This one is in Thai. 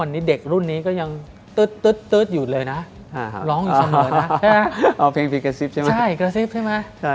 อะไรอย่างนี้ใช่ไหม